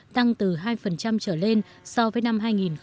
tăng từ hai trở lên so với năm hai nghìn một mươi bảy